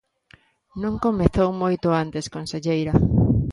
Non, comezou moito antes, conselleira.